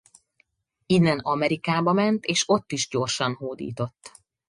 Innen Amerikába ment és ott is gyorsan hódított.